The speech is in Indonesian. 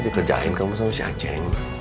dikejakin kamu sama si a ceng